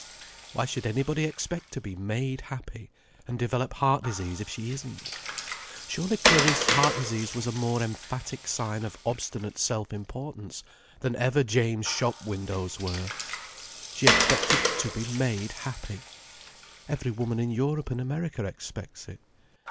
Why should anybody expect to be made happy, and develop heart disease if she isn't? Surely Clariss' heart disease was a more emphatic sign of obstinate self importance than ever James' shop windows were. She expected to be made happy. Every woman in Europe and America expects it.